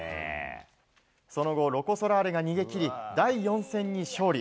その後、ロコ・ソラーレが逃げ切り第４戦に勝利。